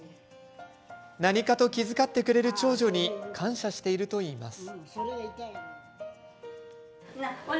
何かと気遣ってくれる長女に感謝しているといいます。